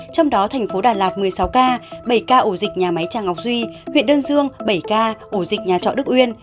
trong đó thành phố đà lạt một mươi sáu ca bảy ca ổ dịch nhà máy tràng ngọc duy huyện đơn dương bảy ca ổ dịch nhà trọ đức uyên